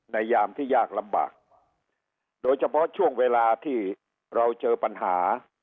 ยามที่ยากลำบากโดยเฉพาะช่วงเวลาที่เราเจอปัญหา